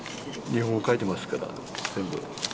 日本語書いてますから、全部。